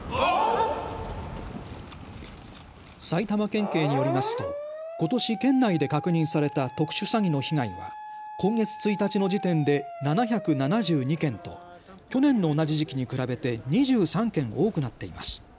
埼玉県警によりますとことし県内で確認された特殊詐欺の被害は今月１日の時点で７７２件と去年の同じ時期に比べて２３件多くなっています。